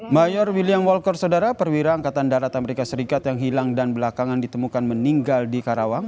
mayor william walker saudara perwira angkatan darat amerika serikat yang hilang dan belakangan ditemukan meninggal di karawang